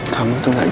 kamu itu gak gila